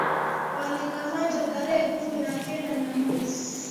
walikamatwa tarehe kumi na kenda ya mwezi